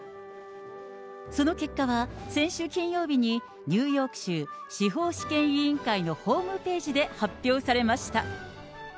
その結果は、先週金曜日に、ニューヨーク州司法試験委員会のホームページで発表されました。